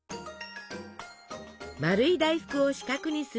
丸い大福を四角にする鍵。